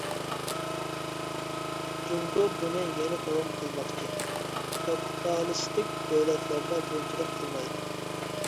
جۇڭگو بۇنى يەنە داۋام قىلماقچى، كاپىتالىستىك دۆلەتلەردە بۇنچىلىك قىلمايدۇ.